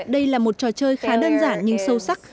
đây là một trò chơi khá đơn giản nhưng sâu sắc